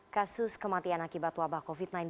kasus kematian akibat wabah covid sembilan belas